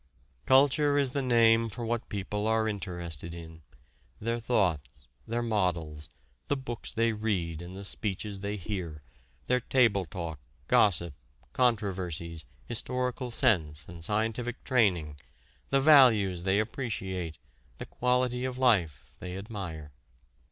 Culture is the name for what people are interested in, their thoughts, their models, the books they read and the speeches they hear, their table talk, gossip, controversies, historical sense and scientific training, the values they appreciate, the quality of life they admire.